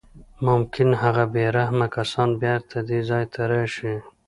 ممکن هغه بې رحمه کسان بېرته دې ځای ته راشي